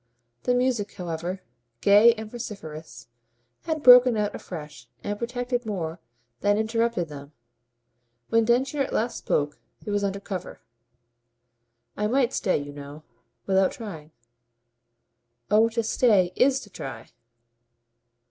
The music, however, gay and vociferous, had broken out afresh and protected more than interrupted them. When Densher at last spoke it was under cover. "I might stay, you know, without trying." "Oh to stay IS to try."